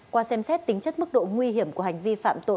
qua xem xét tính chất mức độ nguy hiểm của hành vi phạm tội